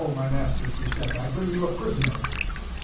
my masters," he said, "I bring you a prisoner."